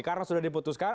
karena sudah diputuskan